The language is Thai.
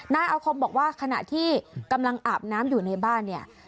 นายอาคมบอกว่าขณะที่กำลังอาบน้ำอยู่ในบ้านเนี่ย